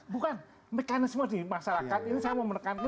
bukan mekanisme di masyarakat ini saya mau menekankan